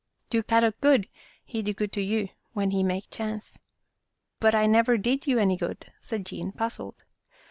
Do Kadok good, he do good to you when he make chance." " But I never did you any good," said Jean, puzzled.